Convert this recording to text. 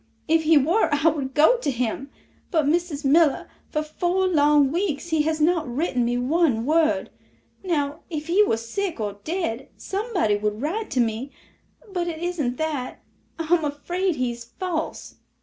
If he were I would go to him. But, Mrs. Miller, for four long weeks he has not written me one word. Now if he were sick or dead, somebody would write to me; but it isn't that—I am afraid he's false.